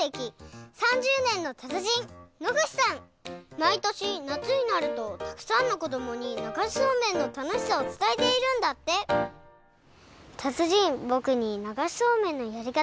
まいとしなつになるとたくさんのこどもにながしそうめんのたのしさをつたえているんだってたつじんぼくにながしそうめんのやりかたをおしえてください！